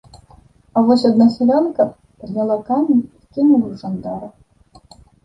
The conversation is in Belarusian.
А вось адна сялянка падняла камень і кінула ў жандара.